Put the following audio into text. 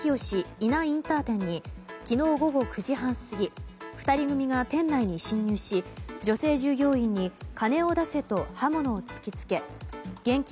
伊那インター店に昨日午後９時半過ぎ２人組が店内に侵入し女性従業員に金を出せと刃物を突き付け現金